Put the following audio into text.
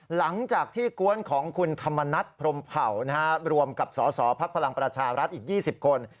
หลังจากที่กวนของคุณธรรมนัฐพรมเผ่ารวมกับสสพลังประชารัฐอีก๒๐คน